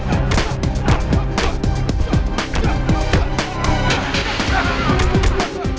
tuhan tidak mau berhubung